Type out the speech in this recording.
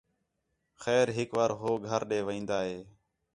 خیر ہِک وار ہو گھر ݙے وین٘داں ہِے